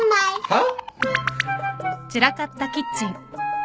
はっ？